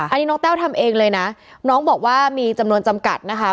อันนี้น้องแต้วทำเองเลยนะน้องบอกว่ามีจำนวนจำกัดนะคะ